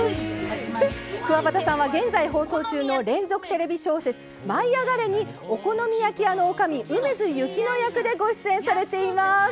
くわばたさんは現在放送中の連続テレビ小説「舞いあがれ！」にお好み焼き屋のおかみ梅津雪乃役でご出演されています。